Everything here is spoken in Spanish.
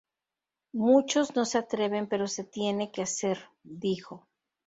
Muchos no se atreven, pero se tiene que hacer", dijo.